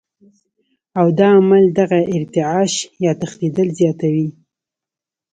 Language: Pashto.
او دا عمل دغه ارتعاش يا تښنېدل زياتوي